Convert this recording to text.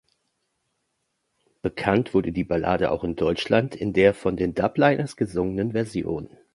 Bekannt wurde die Ballade auch in Deutschland in der von den Dubliners gesungenen Version.